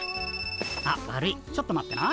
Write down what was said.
あっ悪いちょっと待ってな。